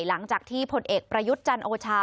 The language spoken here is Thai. หลังจากที่ผลเอกประยุทธ์จันโอชา